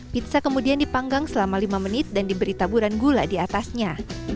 pizza kemudian dipanggang selama lima menit dan diberi taburan gula di atasnya